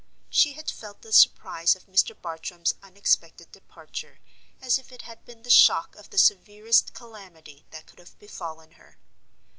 She had felt the surprise of Mr. Bartram's unexpected departure, as if it had been the shock of the severest calamity that could have befallen her.